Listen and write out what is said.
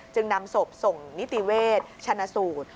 นำศพส่งนิติเวชชนะสูตร